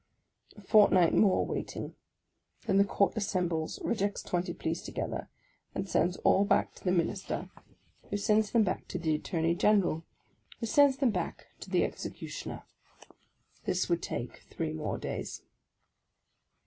A fort night more waiting; then the Court assembles, rejects twenty pleas together, and sends all back to the Minister, who sends 4 50 THE LAST DAY them back to the Attorney General, who sends them back to the executioner : this would take three more days.